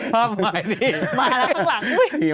พี่พราบใหม่พี่มาแล้วข้างหลัง